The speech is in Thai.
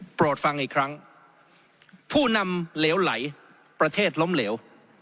โปรดฟังอีกครั้งผู้นำเหลวไหลประเทศล้มเหลว